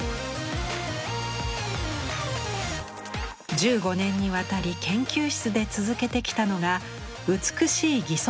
１５年にわたり研究室で続けてきたのが「美しい義足」プロジェクト。